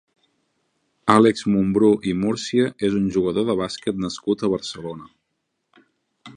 Àlex Mumbrú i Múrcia és un jugador de bàsquet nascut a Barcelona.